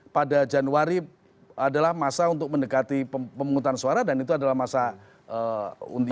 pada januari adalah masa untuk mendekati pemungutan suara dan itu adalah masa undian